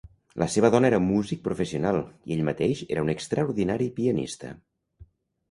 La seva dona era músic professional i ell mateix era un extraordinari pianista.